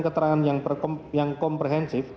keterangan yang komprehensif